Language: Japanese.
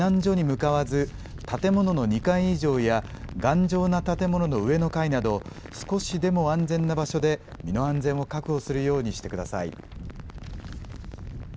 無理に避難所に向かわず建物の２階以上や頑丈な建物の上の階など少しでも安全な場所で身の安全を確保するようにしてください。